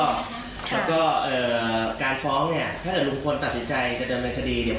แล้วก็การฟ้องเนี่ยถ้าเกิดลูกคุณตัดสินใจกระเดิมในคดี